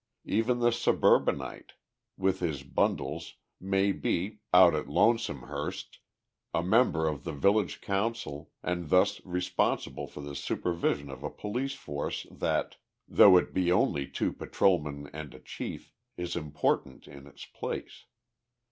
Even the suburbanite, with his bundles, may be, out at Lonesomehurst, a member of the village council, and thus responsible for the supervision of a police force that, though it be only two patrolmen and a chief, is important in its place.